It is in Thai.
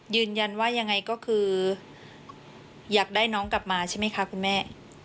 ยังไงก็คืออยากได้น้องกลับมาใช่ไหมคะคุณแม่